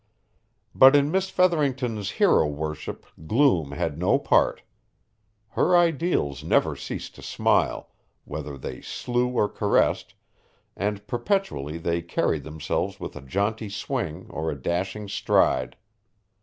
But in Miss Featherington's hero worship gloom had no part. Her ideals never ceased to smile, whether they slew or caressed, and perpetually they carried themselves with a jaunty swing or a dashing stride.